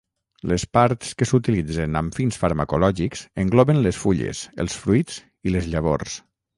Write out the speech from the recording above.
Les parts que s'utilitzen amb fins farmacològics engloben les fulles, els fruits i les llavors.